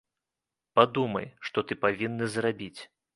Падумай, што ты павінны зрабіць.